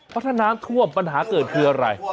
เพราะถ้าน้ำท่วมปัญหาเกิดคืออะไร